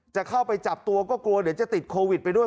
จะเข้าไปจับตัวก็กลัวเดี๋ยวจะติดโควิดไปด้วย